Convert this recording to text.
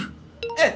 saya semakin bersyukur